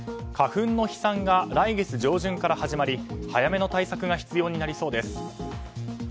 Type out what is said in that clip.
花粉の飛散が来月上旬から始まり早めの対策が必要になりそうです。